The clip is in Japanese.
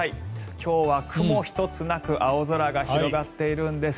今日は雲一つなく青空が広がっているんです。